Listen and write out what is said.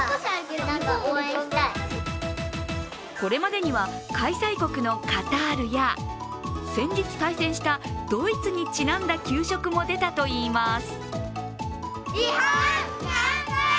これまでには、開催国のカタールや先日対戦したドイツにちなんだ給食も出たといいます。